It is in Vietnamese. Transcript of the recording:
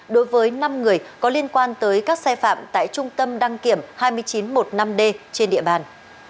đối với năm người có liên quan tới các sai phạm tại trung tâm đăng kiểm hai nghìn chín trăm một mươi năm d trên địa bàn